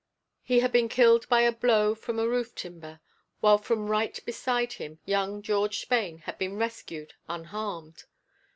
He had been killed by a blow from a roof timber, while from right beside him young George Spain had been rescued unharmed.